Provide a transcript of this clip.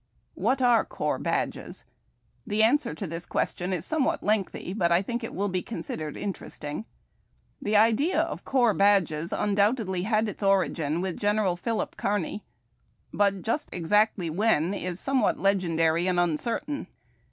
Wliat are corps badges ? The answer to this question is somewhat lengthy, but I tliiidc it will be considered interest ing. The idea of corps badges undoubtedly had its origin with General Philip Kearny, but just hoiv or exactly ivhen CORPS AND CORPS BADGES. 255 is somewhat legendary and uncertain.